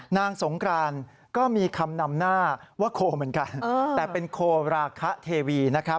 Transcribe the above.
นางสงกรานก็มีคำนำหน้าว่าโคเหมือนกันแต่เป็นโคราคาเทวีนะครับ